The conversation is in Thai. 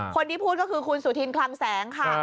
คนที่พูดก็คือคุณสุธินคลังแสงค่ะ